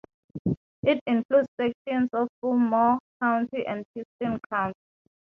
It includes sections of Fillmore County and Houston County.